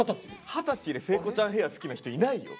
二十歳で聖子ちゃんヘア好きな人いないよ。